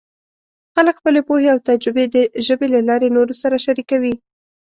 خلک خپلې پوهې او تجربې د ژبې له لارې نورو سره شریکوي.